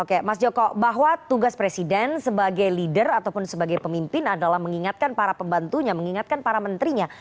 oke mas joko bahwa tugas presiden sebagai leader ataupun sebagai pemimpin adalah mengingatkan para pembantunya mengingatkan para menterinya